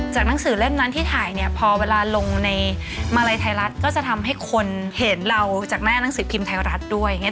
หนังสือเล่มนั้นที่ถ่ายเนี่ยพอเวลาลงในมาลัยไทยรัฐก็จะทำให้คนเห็นเราจากหน้าหนังสือพิมพ์ไทยรัฐด้วยอย่างนี้